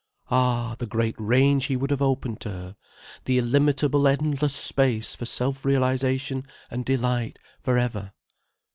Ah, the great range he would have opened to her, the illimitable endless space for self realization and delight for ever.